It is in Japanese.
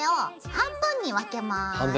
半分。